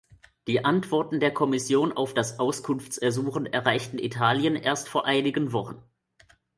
Die Antworten der Kommission auf das Auskunftsersuchen erreichten Italien erst vor einigen Wochen.